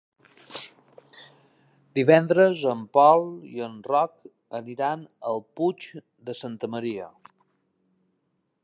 Divendres en Pol i en Roc aniran al Puig de Santa Maria.